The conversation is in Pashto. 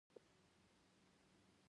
خو په نااټکل شوې پېښې هم مهم عامل وګڼل شي.